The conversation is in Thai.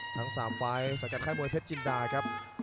ทั้ง๓ไฟล์สังกัดค่ายมวยเพชรจินดาครับ